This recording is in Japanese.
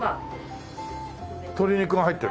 鶏肉が入ってる？